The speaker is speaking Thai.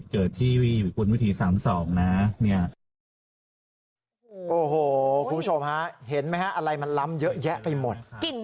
กลิ่นก้านสามสองนะเนี่ยโอ้โหคุณผู้ชมฮะเห็นมั้ยฮะอะไรมันล้ำเยอะแยะไปหมด